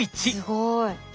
すごい。